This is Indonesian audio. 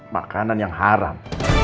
makanan yang haram